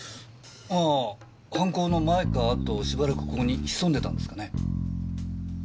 ああ犯行の前か後しばらくここに潜んでたんですかね？